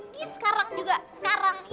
tuh dengan sungguh sungguh